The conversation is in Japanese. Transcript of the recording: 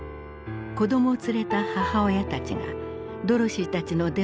子どもを連れた母親たちがドロシーたちのデモに加わった。